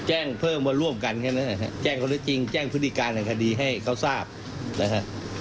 ก็แจ้งเพิ่มว่าร่วมกันครับนะฮะแจ้งคนที่จริงแจ้งพฤติการณ์ของคดีให้เขาทราบนะฮะ